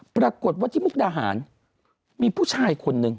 ปรากฏว่าที่มุกดาหารมีผู้ชายคนนึง